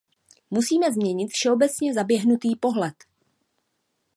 Musíme změnit všeobecně zaběhnutý pohled.